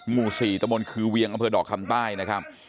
หมู่๔ตะมนต์คือเวียงอำเภอดอกคำใต้นะครับ